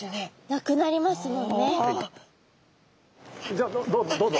じゃあどうぞ。